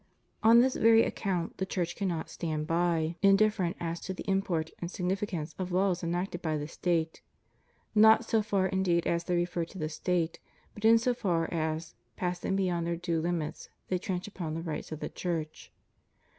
On this very account the Church cannot stand by, in 198 CHIEF DUTIES OF CHRISTIANS AS CITIZENS. different as to the import and significance of laws enacted by the State; not in so far indeed as they refer to the State, but in so far as, passing beyond their due limits, they trench upon the rights of the Church.